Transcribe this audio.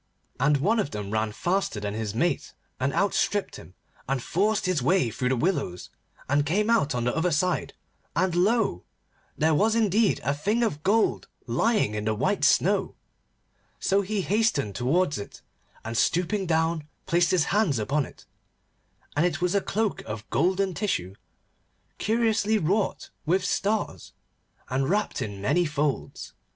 And one of them ran faster than his mate, and outstripped him, and forced his way through the willows, and came out on the other side, and lo! there was indeed a thing of gold lying on the white snow. So he hastened towards it, and stooping down placed his hands upon it, and it was a cloak of golden tissue, curiously wrought with stars, and wrapped in many folds.